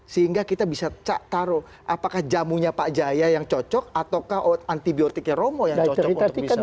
sehingga kita bisa taruh apakah jamunya pak jaya yang cocok ataukah antibiotiknya romo yang cocok untuk bisa